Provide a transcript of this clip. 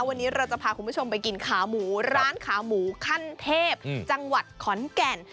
วันนี้เราจะพาคุณผู้ชมไปกินขาหมูร้านขาหมูขั้นเทพจังหวัดขอนแก่น